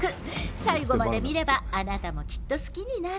最後まで見ればあなたも、きっと好きになる！